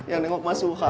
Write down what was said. yang nengok mah suka